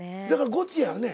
「ゴチ」やよね